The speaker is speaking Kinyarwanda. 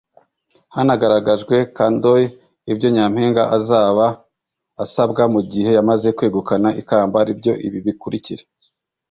Hanagarajwe kandoi ibyo Nyampinga azaba asabwa mu gihe yamaze kwegukana ikamba aribyo ibi bikurikira